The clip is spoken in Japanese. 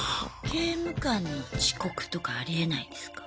刑務官の遅刻とかありえないんですか？